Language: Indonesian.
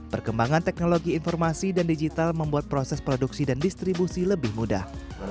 perkembangan teknologi informasi dan digital membuat proses produksi dan distribusi lebih mudah